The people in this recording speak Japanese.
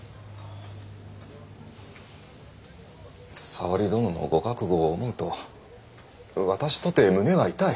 沙織殿のご覚悟を思うと私とて胸は痛い。